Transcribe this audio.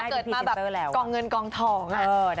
เกิดมาแบบกองเงินกองทอง